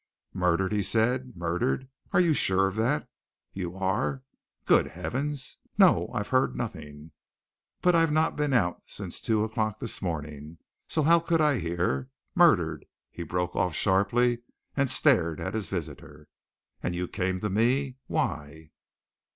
"Murdered?" he said. "Murdered! Are you sure of that? You are? Good heavens! no, I've heard nothing. But I've not been out since two o'clock this morning, so how could I hear? Murdered " he broke off sharply and stared at his visitor. "And you came to me why?"